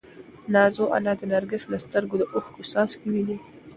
نازو انا د نرګس له سترګو د اوښکو څاڅکي ویني.